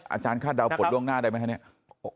อาจารย์คาดเดาผลล่วงหน้าได้ไหมครับเนี่ย